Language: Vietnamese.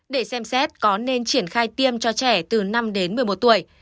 để xem xét có nên triển khai tiêm cho trẻ từ năm đến một mươi một tuổi